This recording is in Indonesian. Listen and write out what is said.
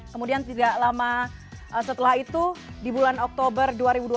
kemudian tidak lama setelah itu di bulan oktober dua ribu dua puluh